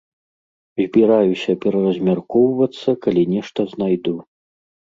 Збіраюся пераразмяркоўвацца, калі нешта знайду.